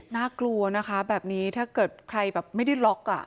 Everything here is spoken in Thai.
น่ากลัวนะคะแบบนี้ถ้าเกิดใครแบบไม่ได้ล็อกอ่ะ